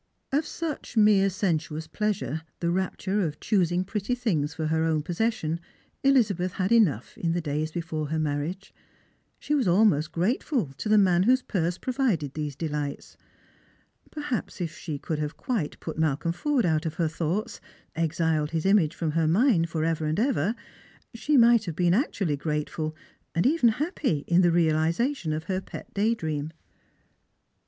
Of such mere sensuous pleasure, the rapture of choosing pretty things for her own possession, Elizabeth had enough in the days before her marriage. She was almost grateful to the 264> Strangers and Pilgrims. man whose purse prcrided these delights. Perhaps if she could nave quite put Malcolm Forde out of her thoughts, exiled his image from her mind for ever and ever, she might have been actually grateful, and even happy, in the realisation of her pet day dream.